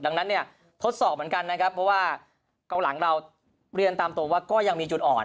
ดังนั้นทดสอบเหมือนกันเพราะว่ากันหลังเราเรียนตามตรงว่ายังมีจุดอ่อน